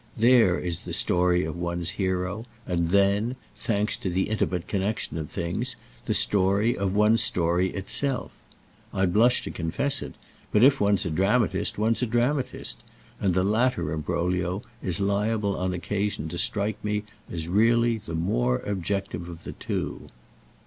There is the story of one's hero, and then, thanks to the intimate connexion of things, the story of one's story itself. I blush to confess it, but if one's a dramatist one's a dramatist, and the latter imbroglio is liable on occasion to strike me as really the more objective of the two.